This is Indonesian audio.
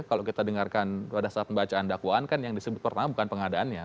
kalau kita dengarkan pada saat pembacaan dakwaan kan yang disebut pertama bukan pengadaannya